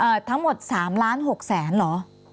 เออทั้งหมด๓ล้าน๖แสนเหรอ